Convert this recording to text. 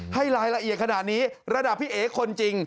ให้รายละเอียดขนาดนี้ระดับพี่เอ๋คนจริง